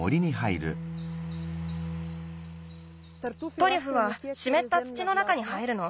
トリュフはしめった土の中に生えるの。